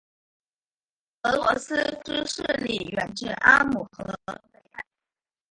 俄罗斯之势力远至阿姆河北岸。